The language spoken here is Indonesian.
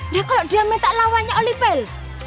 nah kalau dia minta lawannya oli pell